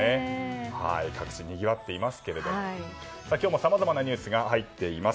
各地、にぎわっていますが今日もさまざまなニュースが入っています。